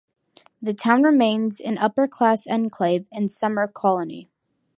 The town remains an upper-class enclave and summer colony.